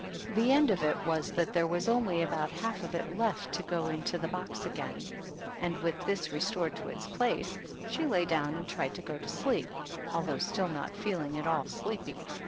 The end of it was that there was only about half of it left to go into the box again ; and with this restored to ite place, she lay down and tried to go to sleep, although still not feeling at all sleepy.